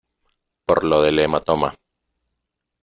por lo del hematoma .